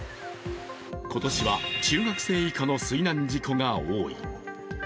今年は中学生以下の水難事故が多い。